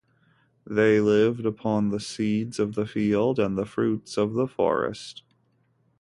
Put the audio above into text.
They lived upon the seeds of the field and the fruits of the forest.